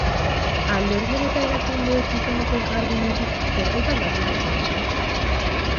Alderdien eta erakundeek izan duten jardunetik zerbait aldatuko zenuke?